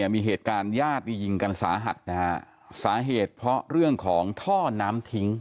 มีเหตุการณ์ญาตินี่ยิงกันสาหัสนะฮะสาเหตุเพราะเรื่องของท่อน้ำทิ้ง